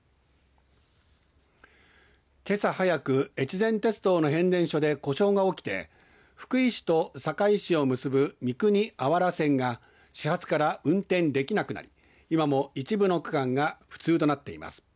けさ早くえちぜん鉄道の変電所で故障が起きて福井市と坂井市を結ぶ三国芦原線が始発から運転できなくなり今も一部の区間が不通となっています。